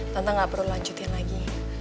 tante gak perlu lanjutin lagi